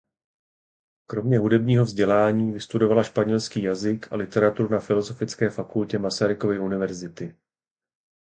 Kromě hudebního vzdělání vystudovala španělský jazyk a literaturu na Filozofické fakultě Masarykovy univerzity.